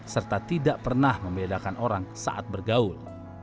serta tidak pernah membedakan orang saat bergaul